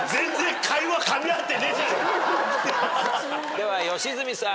では良純さん。